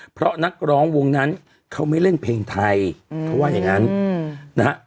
เพราะนักร้องวงนั้นเขาไม่เล่นเพลงไทยเขาว่าอย่างนั้นนะฮะ